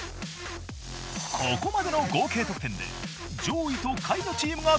ここまでの合計得点で上位と下位のチームが対決。